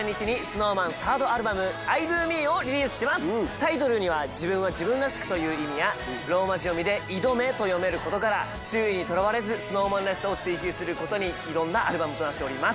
タイトルには自分は自分らしくという意味や、ローマ字読みで、イドメと読めることから周囲にとらわれず、ＳｎｏｗＭａｎらしさを追求することに挑んだアルバムとなっております。